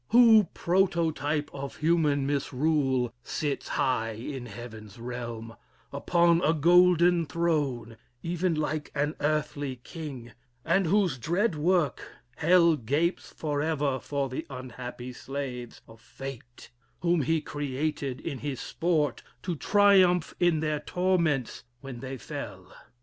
Who, prototype of human misrule, sits High in Heaven's realm, upon a golden throne, Even like an earthly king: and whose dread work, Hell gapes forever for the unhappy slaves Of fate, whom he created in his sport, To triumph in their torments when they fell!